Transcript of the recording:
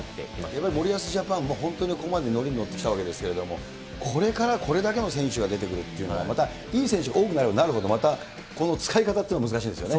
やっぱり森保ジャパン、本当にここまでのりにのってきたわけですけれども、これからこれだけの選手が出てくるっていうのは、またいい選手、多くなればなるほどまたこの使い方っていうのが難しいんですよね。